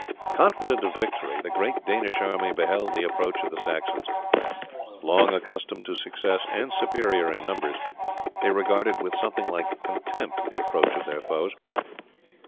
Confident of victory the great Danish army beheld the approach of the Saxons. Long accustomed to success, and superior in numbers, they regarded with something like contempt the approach of their foes.